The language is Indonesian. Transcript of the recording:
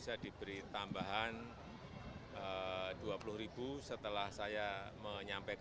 pak ibran dicantum parfek